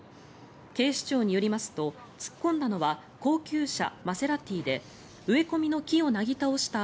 警視庁によりますと突っ込んだのは高級車マセラティで植え込みの木をなぎ倒した